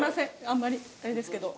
あんまりあれですけど。